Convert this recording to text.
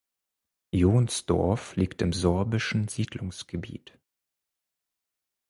Johnsdorf liegt im sorbischen Siedlungsgebiet.